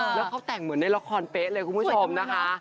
แล้วเขาแต่งเหมือนในละครเป๊ะเลยคุณผู้ชมนะคะ